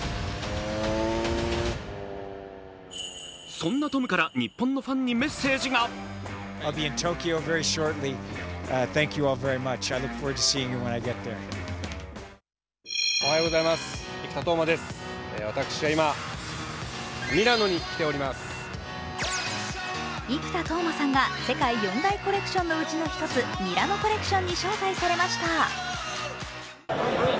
そんなトムから日本のファンにメッセージが生田斗真さんが、世界４大コレクションのうちの一つミラノコレクションに招待されました。